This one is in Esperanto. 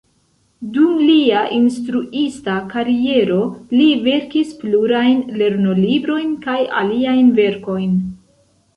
Dum lia instruista kariero li verkis plurajn lernolibrojn kaj aliajn verkojn.